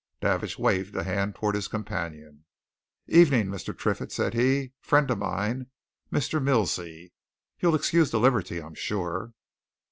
Davidge waved a hand towards his companion. "Evening, Mr. Triffitt," said he. "Friend of mine Mr. Milsey. You'll excuse the liberty, I'm sure."